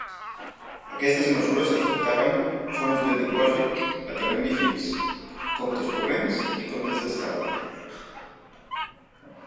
Aquestes mesures afectaven fons de dipòsits a termini fix, comptes corrents i comptes d'estalvi.